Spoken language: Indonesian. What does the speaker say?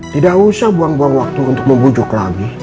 tidak usah buang buang waktu untuk membujuk lagi